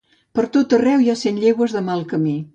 Per tot arreu hi ha cent llegües de mal camí.